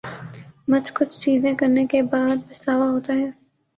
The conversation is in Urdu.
مچھ کچھ چیزیں کرنے کے بعد پچھتاوا ہوتا ہے